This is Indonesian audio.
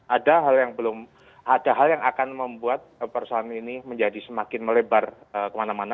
ada hal yang akan membuat perusahaan ini menjadi semakin melebar kemana mana